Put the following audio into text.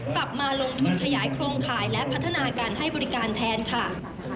กลับมาลงทุนขยายโครงข่ายและพัฒนาการให้บริการแทนค่ะ